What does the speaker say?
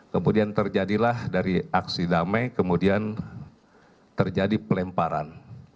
kemudian terjadilah dari aksi damai kemudian terjadi pelemparan